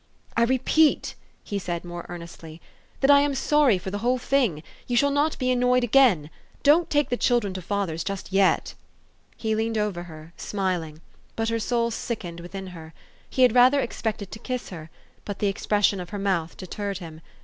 "I repeat," he said more earnestly, "that I am sorry for the whole thing. You shall not be anno}~ed again. Don't take the children to father's just yet !'' He leaned over her, smiling ; but her soul sickened within her. He had rather expected to kiss her ; but the expression of her mouth deterred him.